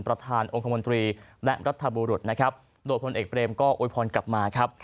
ประธานองค์คมนตรีและรัฐบุรุษนะครับโดยพลเอกเบรมก็โวยพรกลับมาครับ